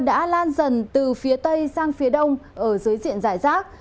đã lan dần từ phía tây sang phía đông ở dưới diện giải rác